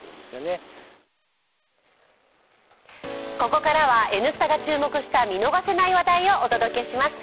ここからは「Ｎスタ」が注目した見逃せない話題をお届けします。